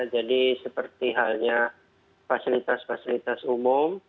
jadi seperti halnya fasilitas fasilitas umum